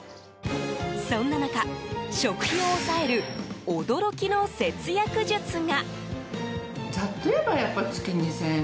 そんな中、食費を抑える驚きの節約術が。